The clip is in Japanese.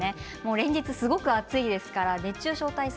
連日すごく暑いですから熱中症対策